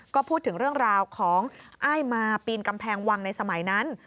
ก็พูดถึงเรื่องราวของอ้ายมาปีนกำแพงวังในสมัยนั้น